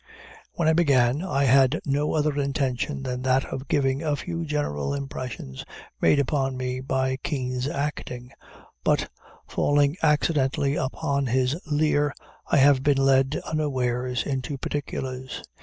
When I began, I had no other intention than that of giving a few general impressions made upon me by Kean's acting; but, falling accidentally upon his Lear, I have been led, unawares, into particulars.